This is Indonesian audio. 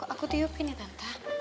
aku tiup ini tante